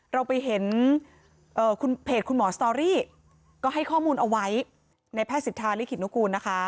เราไปเห็นคุณเพจคุณหมอสตอรี่ก็ให้ข้อมูลเอาไว้ในแพทย์สิทธาลิขิตนุกูลนะคะ